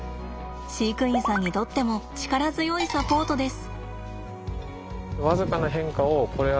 飼育員さんにとっても力強いサポートです。